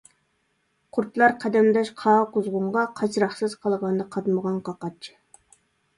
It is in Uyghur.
قۇرتلار قەدەمداش قاغا-قۇزغۇنغا، قاسراقسىز قالغاندا قاتمىغان قاقاچ.